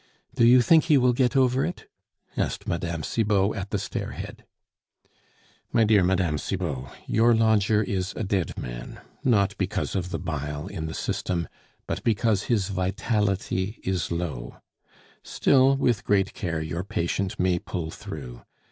"Do you think he will get over it?" asked Mme. Cibot, at the stairhead. "My dear Mme. Cibot, your lodger is a dead man; not because of the bile in the system, but because his vitality is low. Still, with great care, your patient may pull through.